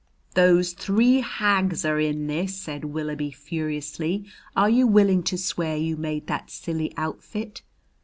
"Those three hags are in this!" said Willoughby furiously. "Are you willing to swear you made that silly outfit?"